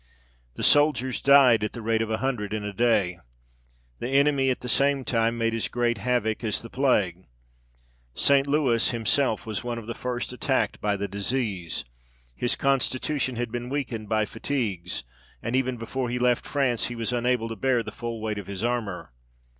The soldiers died at the rate of a hundred in a day. The enemy, at the same time, made as great havoc as the plague. St. Louis himself was one of the first attacked by the disease. His constitution had been weakened by fatigues, and even before he left France he was unable to bear the full weight of his armour.